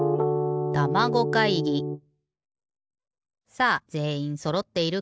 さあぜんいんそろっているかな？